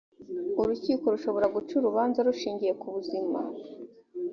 urukiko rushobora guca urubanza rushingiye kubuzima